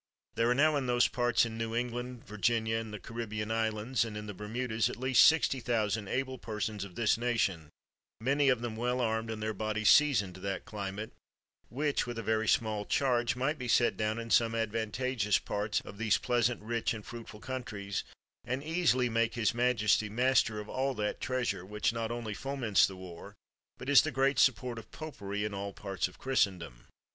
There are now in those parts in New Eng land, Virginia, and the Caribbean Islands, and in the Bermudas, at least 60,000 able persons of this nation, many of them well armed and their bodies seasoned to that climate, which with a very small charge, might be set down in some advantageous parts of these pleasant, rich, and fruitful countries, and easily make his majesty master of all that treasure, which not only foments the war, but is the great support of popery in all parts of Christendom.